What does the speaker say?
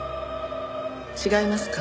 違いますか？